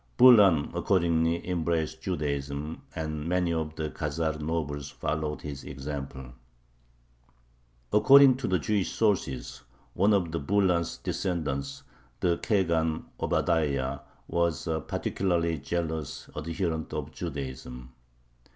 Bulan accordingly embraced Judaism, and many of the Khazar nobles followed his example. According to the Jewish sources, one of Bulan's descendants, the Khagan Obadiah, was a particularly zealous adherent of Judaism.